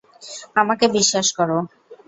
আমাকে বিশ্বাস কর।